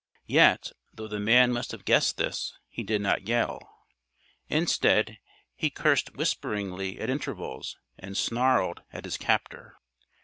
Yet, though the man must have guessed this, he did not yell. Instead, he cursed whisperingly at intervals and snarled at his captor.